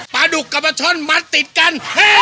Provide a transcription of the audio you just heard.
ปลาดุกกับปลาช่อนมัดติดกัน